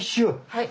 はい。